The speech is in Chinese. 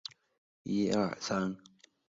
翻新后以白色及灰色为主调。